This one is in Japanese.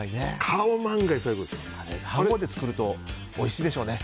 飯ごうで作るとおいしいでしょうね。